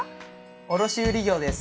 卸売業です。